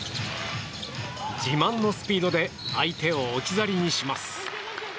自慢のスピードで相手を置き去りにします。